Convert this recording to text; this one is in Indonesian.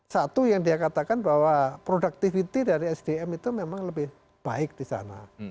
satu yang dikatakan bahwa produktiviti dari sdm itu memang lebih baik di sana